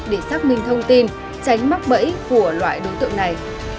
để xác minh thông tin tránh mắc bẫy của loại đối tượng này